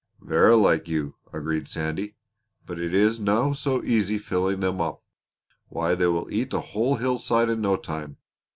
"Verra like you!" agreed Sandy. "But it is no so easy filling them up. Why, they will eat a whole hillside in no time.